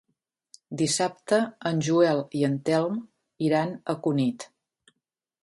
Dissabte en Joel i en Telm iran a Cunit.